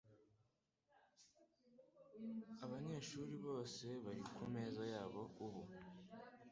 Abanyeshuri bose bari kumeza yabo ubu.